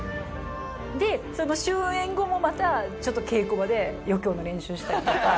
でその終演後もまたちょっと稽古場で余興の練習したりとか。